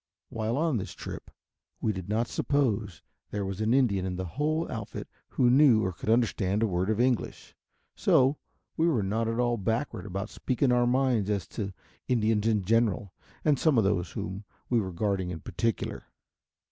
While on this trip we did not suppose there was an Indian in the whole outfit who knew or could understand a word of English, so we were not at all backward about speaking our minds as to Indians in general and some of those whom we were guarding in particular.